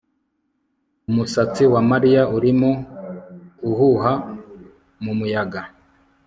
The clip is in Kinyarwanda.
Umusatsi wa Mariya urimo uhuha mumuyaga